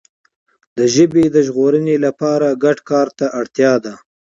د ژبي د ژغورنې لپاره ګډ کار ته اړتیا ده.